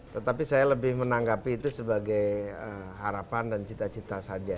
tetapi saya lebih menanggapi itu sebagai harapan dan cita cita saja